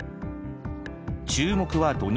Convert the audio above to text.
注目は土日。